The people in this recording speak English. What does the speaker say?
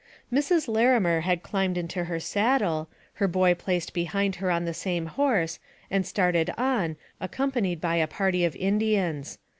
Mrs. Larimer had climbed into her saddle, her boy placed behind her on the same horse, and started on, ac companied by a party of Indians.